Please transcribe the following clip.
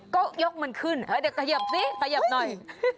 ก็ยกมันขึ้นเดี๋ยวกระเย็บสิกระเย็บหน่อย